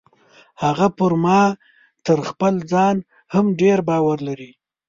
هغه پر ما تر خپل ځان هم ډیر باور لري.